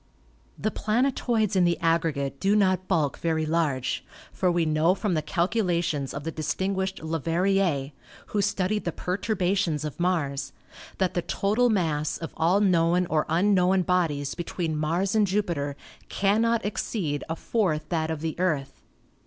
The planetoids in the aggregate do not bulk very large, for we know from the calculations of the distinguished Leverrier, who studied the perturbations of Mars, that the total mass of all known or un known bodies between Mars and Jupiter cannot exceed a fourth that of the Earth.